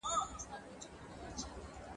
د بابړې پټنگان چا شهیدان کړل.